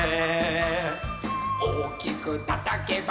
「おっきくたたけば」